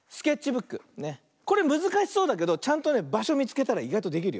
これむずかしそうだけどちゃんとねばしょみつけたらいがいとできるよ。